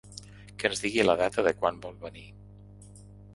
Que ens digui la data de quan vol venir.